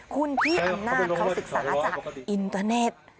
คุณพี่อำนาจเขาศึกษาจากอินเตอร์เน็ต